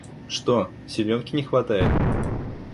Что, силёнки не хватает?